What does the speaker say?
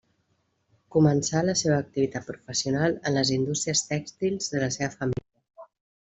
Començà la seva activitat professional en les indústries tèxtils de la seva família.